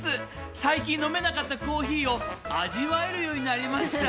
最近飲めなかったコーヒーを味わえるようになりました。